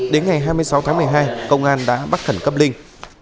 đến ngày hai mươi sáu tháng một mươi hai công an đã bắt khẩn cấp linh